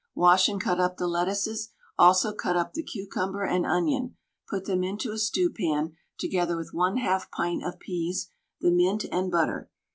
Wash and cut up the lettuces, also cut up the cucumber and onion, put them into a stewpan, together with 1/2 pint of peas, the mint, and butter.